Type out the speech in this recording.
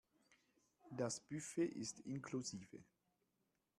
Das Buffet ist inklusive.